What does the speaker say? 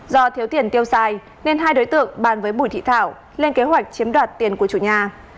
do thiếu tiền tiêu xài nên hai đối tượng bàn với bùi thị thảo lên kế hoạch chiếm đoạt tiền của chủ nhà